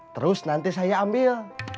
terus nanti saya ambil